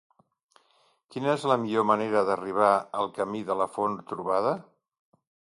Quina és la millor manera d'arribar al camí de la Font-trobada?